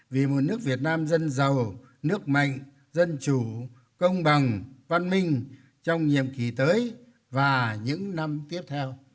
vì một nước việt nam dân giàu nước mạnh dân chủ công bằng văn minh trong nhiệm kỳ tới và những năm tiếp theo